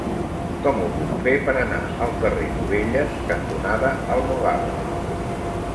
Com ho puc fer per anar al carrer Novelles cantonada Almogàvers?